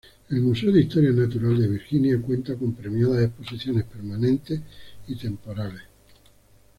El Museo de Historia Natural de Virginia cuenta con premiadas exposiciones permanentes y temporales.